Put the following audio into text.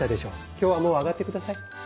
今日はもう上がってください。